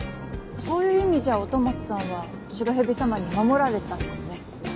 そういう意味じゃ音松さんは白蛇様に守られてたのかもね。